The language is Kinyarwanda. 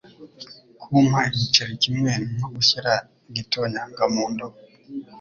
Kumpa igiceri kimwe ni nko gushyira Igitonyanga mu ndobo